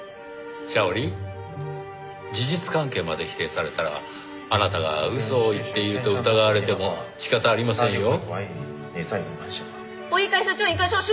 シャオリー事実関係まで否定されたらあなたが嘘を言っていると疑われても仕方ありませんよ？